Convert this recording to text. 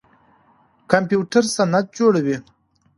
کمپيوټر سند جوړوي.